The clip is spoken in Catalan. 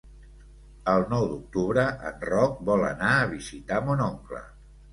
El nou d'octubre en Roc vol anar a visitar mon oncle.